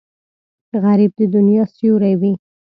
غریب د دنیا سیوری وي